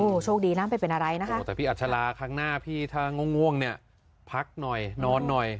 โชคดีนะไม่เป็นอะไรนะคะโอ้แต่พี่อัชราครั้งหน้าพี่ถ้าง่วงเนี่ยพักหน่อยนอนหน่อย